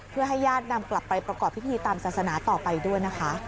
เพื่อให้ญาตินำกลับไปประกอบพิธีตามศาสนาต่อไปด้วยนะคะ